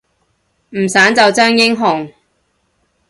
唔散就真英雄